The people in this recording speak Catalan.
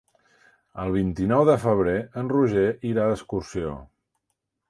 El vint-i-nou de febrer en Roger irà d'excursió.